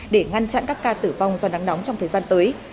để ngăn chặn các ca tử vong do nắng nóng trong thời gian tới